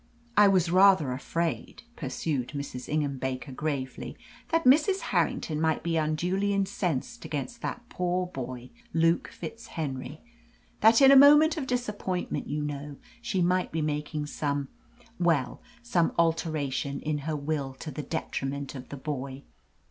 "I was rather afraid," pursued Mrs. Ingham Baker gravely, "that Mrs. Harrington might be unduly incensed against that poor boy, Luke FitzHenry; that in a moment of disappointment, you know, she might be making some well, some alteration in her will to the detriment of the boy."